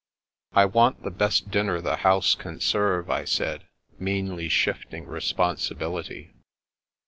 " I want the best dinner the house can serve," I said, meanly shifting responsibility.